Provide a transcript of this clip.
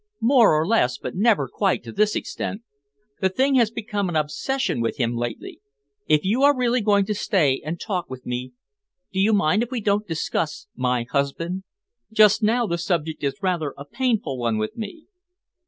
"More or less, but never quite to this extent. The thing has become an obsession with him lately. If you are really going to stay and talk with me, do you mind if we don't discuss my husband? Just now the subject is rather a painful one with me."